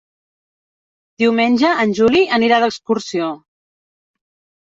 Diumenge en Juli anirà d'excursió.